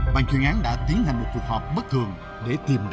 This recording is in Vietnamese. bàn chuyên án đã tiến hành một cuộc họp bất thường để tìm ra ước mất ở đâu